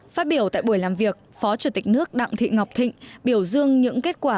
phát biểu tại buổi làm việc phó chủ tịch nước đặng thị ngọc thịnh biểu dương những kết quả